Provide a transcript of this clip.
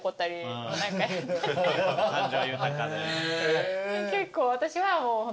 感情豊かで。